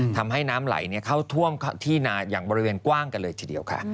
ทำให้น้ำไหลเข้าท่วมที่นาอย่างบริเวณกว้างกันเลยทีเดียวค่ะ